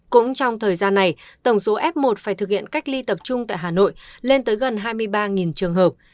cũng trong thời gian này tổng số f một phải thực hiện cách ly tập trung tại hà nội lên tới gần hai mươi ba trường hợp